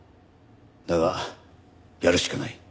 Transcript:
だがやるしかない。